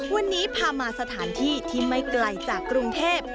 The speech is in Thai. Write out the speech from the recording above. วันนี้พามาสถานที่ที่ไม่ไกลจากกรุงเทพ